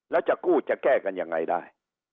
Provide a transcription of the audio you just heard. แล้วจะกู้จะแก้กันยังไงได้